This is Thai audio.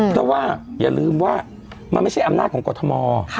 เพราะว่าอย่าลืมว่ามันไม่ใช่อำนาจของกรทม